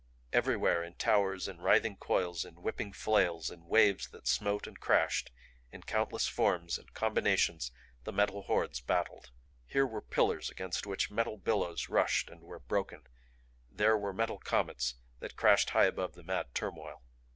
Everywhere, in towers, in writhing coils, in whipping flails, in waves that smote and crashed, in countless forms and combinations the Metal Hordes battled. Here were pillars against which metal billows rushed and were broken; there were metal comets that crashed high above the mad turmoil.